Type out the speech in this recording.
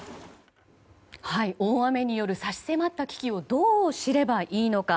大雨による差し迫った危機をどう知ればいいのか。